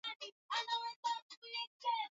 Bivuko bia mingi biko na kufwa kwasho malari